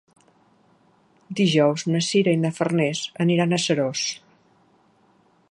Dijous na Sira i na Farners aniran a Seròs.